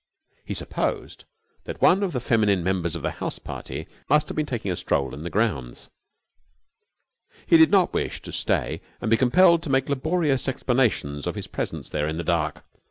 He supposed that one of the feminine members of the house party must have been taking a stroll in the grounds, and he did not wish to stay and be compelled to make laborious explanations of his presence there in the dark.